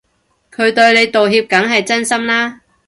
佢對你道歉梗係真心啦